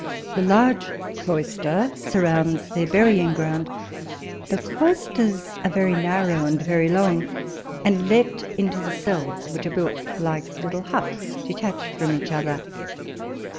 The large cloister surrounds their burying ground. The cloisters are very narrow and very long, and let into the cells, which are built like little huts detached from each other.